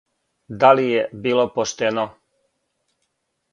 Да ли је било поштено?